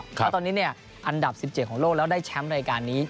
เพราะตอนนี้อันดับ๑๗ของโลกแล้วได้แชมป์รายการนี้